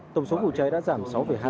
tổng số vụ cháy đã giảm sáu hai